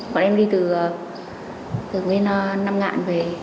bọn em đi từ nguyên nam ngạn về